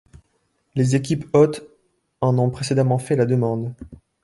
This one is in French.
Les équipes hôtes en ont précédemment fait la demande.